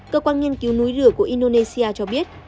cơ quan nghiên cứu núi rửa của indonesia cho biết